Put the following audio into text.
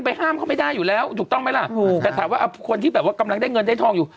ห้ามเขาไม่ได้อยู่แล้วถูกต้องไหมล่ะถูกแต่ถามว่าคนที่แบบว่ากำลังได้เงินได้ทองอยู่